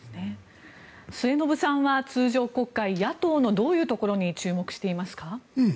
末延さんは、通常国会野党のどういうところに注目していますか？